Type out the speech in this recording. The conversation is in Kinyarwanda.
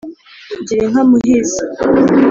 gira inka muhizi